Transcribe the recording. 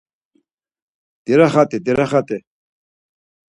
Diraxat̆i, diraxat̆i.